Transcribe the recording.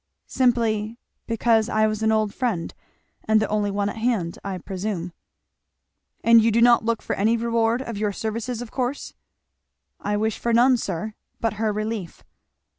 "Simply because I was an old friend and the only one at hand, I presume." "And you do not look for any reward of your services, of course?" "I wish for none, sir, but her relief."